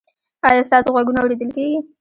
ایا ستاسو غوږونه اوریدل کوي؟